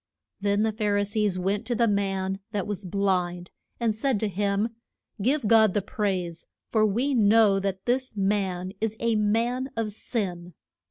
Then the Phar i sees went to the man that was blind, and said to him, Give God the praise, for we know that this man is a man of sin.